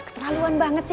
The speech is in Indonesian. keterlaluan banget sih